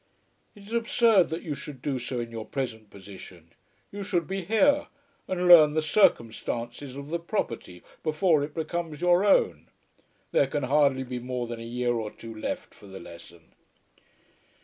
"It is absurd that you should do so in your present position. You should be here, and learn the circumstances of the property before it becomes your own. There can hardly be more than a year or two left for the lesson."